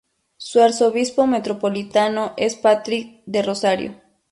Su arzobispo metropolitano es Patrick D’Rozario.